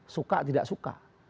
suka atau tidak suka